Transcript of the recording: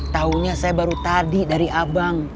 tahunya saya baru tadi dari abang